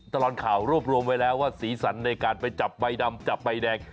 ตลอดข่าวรวบรวมไว้แล้วว่าสีสันในการไปจับใบดำจับใบแดง